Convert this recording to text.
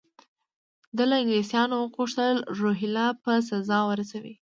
ده له انګلیسیانو وغوښتل روهیله په سزا ورسوي.